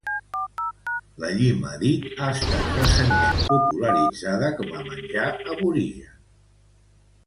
La llima dit ha estat recentment popularitzada com a menjar aborigen.